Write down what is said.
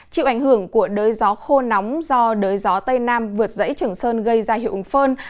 chịu ảnh hưởng của đới gió khô nóng do đới gió tây nam vượt dãy trường sơn gây ra hiệu ứng phơn